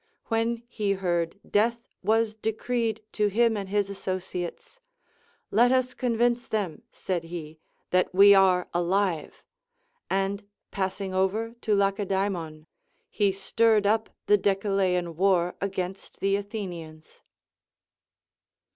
When he heard death Λyas de creed to him and his associates, Let ns convince them, said he, that we are aUve. And passhig over to Lacedaemon, he stirred up the Decelean war against the Athenians.